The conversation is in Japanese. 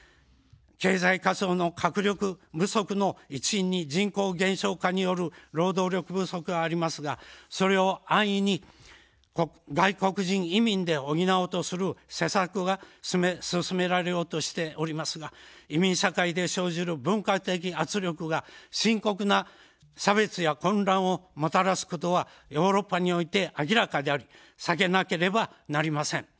経済活動の活力不足の一因に人口減少化による労働力不足がありますが、それを安易に外国人移民で補おうとする施策が進められようとしておりますが、移民社会で生じる文化的圧力が深刻な差別や混乱をもたらすことはヨーロッパにおいて明らかであり避けなければなりません。